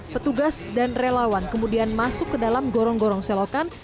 petugas dan relawan kemudian masuk ke dalam gorong gorong selokan